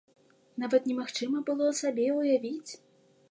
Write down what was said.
Нават немагчыма было сабе ўявіць!